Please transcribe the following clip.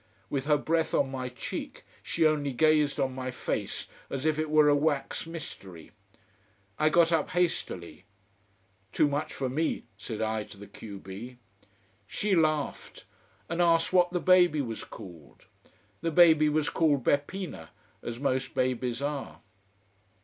With her breath on my cheek she only gazed on my face as if it were a wax mystery. I got up hastily. "Too much for me," said I to the q b. She laughed, and asked what the baby was called. The baby was called Beppina, as most babies are.